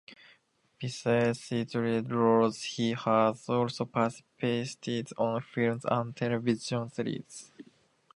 Besides theatre roles he has also participated on films and television series.